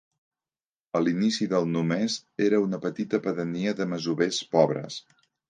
A l'inici del només era una petita pedania de masovers pobres.